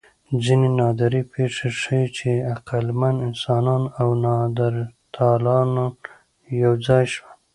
ځینې نادرې پېښې ښيي، چې عقلمن انسانان او نیاندرتالان یو ځای شول.